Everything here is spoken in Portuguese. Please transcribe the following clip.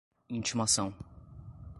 intimação